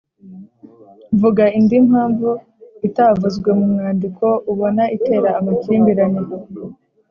Vuga indi mpamvu itavuzwe mu mwandiko ubona itera amakimbirane